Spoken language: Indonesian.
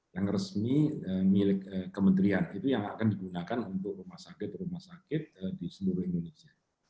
yang resmi milik kementerian itu yang akan digunakan untuk rumah sakit rumah sakit di seluruh indonesia